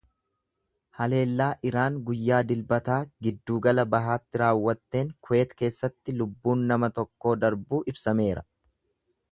Haleellaa Iraan guyyaa Dilbataa Giddugala Bahaatti raawwatteen Kuweet keessatti lubbuun nama tokko darbuu ibsameera.